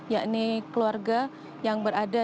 yakni keluarga yang berada